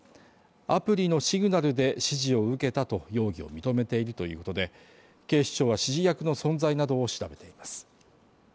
アプリのシグナルで指示を受けたと容疑を認めているということで、警視庁は指示役の存在などを調べています。